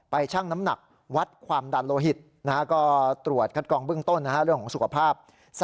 ชั่งน้ำหนักวัดความดันโลหิตก็ตรวจคัดกรองเบื้องต้นเรื่องของสุขภาพ